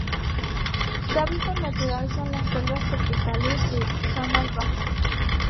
Su hábitat natural son las selvas tropicales de zonas bajas.